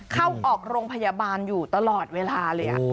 เข้าออกโรงพยาบาลอยู่ตลอดเวลาเลย